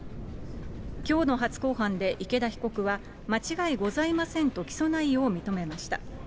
きょうの初公判で池田被告は、間違いございませんと起訴内容を認めました。